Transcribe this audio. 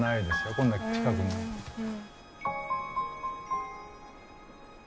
こんな近くには。